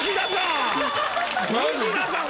西田さん